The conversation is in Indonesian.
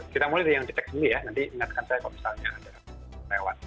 kita mulai dari yang dicek dulu ya nanti ingatkan saya kalau misalnya anda lewat